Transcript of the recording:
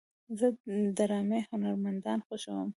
زه د ډرامې هنرمندان خوښوم.